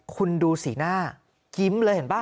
คุณดูสีหน้ายิ้มเลยเห็นป่ะ